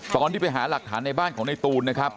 ตอนที่ไปหาหลักฐานในบ้านของในตูนนะครับ